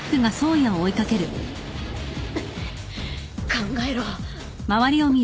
考えろ。